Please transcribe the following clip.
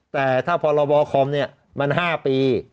แต่ถ้าพลคมัน๕ปี